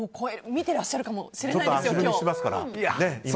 見てらっしゃるかもしれないですよ、今日。